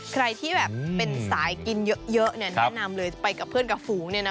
ใครที่แบบเป็นสายกินเยอะเนี่ยแนะนำเลยไปกับเพื่อนกับฝูงเนี่ยนะ